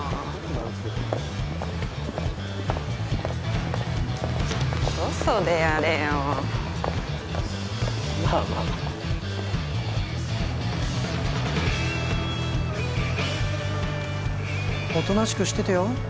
まあまあおとなしくしててよ